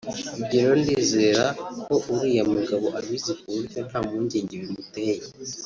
Ibyo rero ndizerako uriya mugabo abizi ku buryo nta mpungenge bimuteye